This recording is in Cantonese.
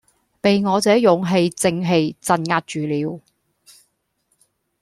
被我這勇氣正氣鎭壓住了。